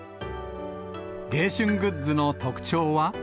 迎春グッズの特徴は。